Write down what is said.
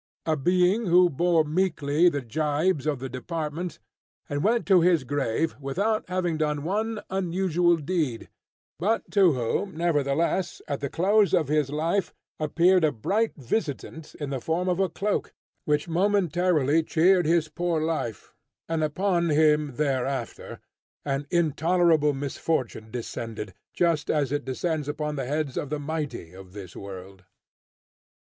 A being who bore meekly the jibes of the department, and went to his grave without having done one unusual deed, but to whom, nevertheless, at the close of his life, appeared a bright visitant in the form of a cloak, which momentarily cheered his poor life, and upon him, thereafter, an intolerable misfortune descended, just as it descends upon the heads of the mighty of this world!